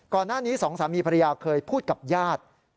ก่อนหน้านี้สองสามีภรรยาเคยพูดกับญาติ